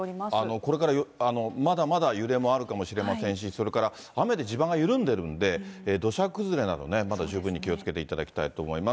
これから、まだまだ揺れもあるかもしれませんし、それから雨で地盤が緩んでるんで、土砂崩れなどね、まだ十分に気をつけていただきたいと思います。